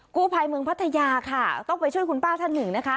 กู้ภัยเมืองพัทยาค่ะต้องไปช่วยคุณป้าท่านหนึ่งนะคะ